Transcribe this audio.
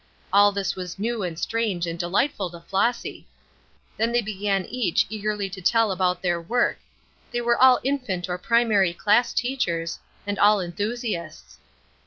All this was new and strange and delightful to Flossy. Then they began each eagerly to tell about their work; they were all infant or primary class teachers, and all enthusiasts.